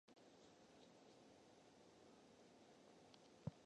俳句をやってほととぎすへ投書をしたり、新体詩を明星へ出したり、間違いだらけの英文をかいたり、